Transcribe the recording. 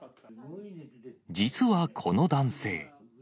実はこの男性。